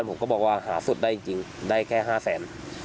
ใช่ครับเขาจะปล่อยทุกคน